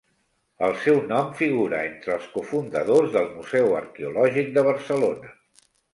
El seu nom figura entre els cofundadors del Museu Arqueològic de Barcelona.